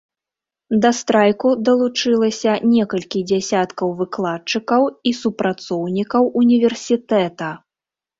Да страйку далучылася некалькі дзясяткаў выкладчыкаў і супрацоўнікаў універсітэта.